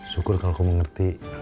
syukur kalau kamu ngerti